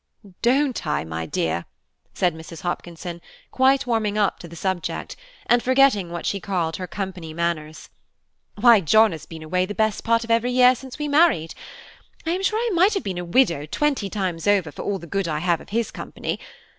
"Don't I, my dear?" said Mrs. Hopkinson, quite warming up to the subject, and forgetting what she called her company manners, "why, John has been away the best part of every year since we married. I am sure I might have been a widow twenty times over for all the good I have of his company!